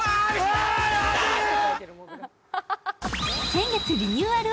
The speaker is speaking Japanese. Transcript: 先月リニューアル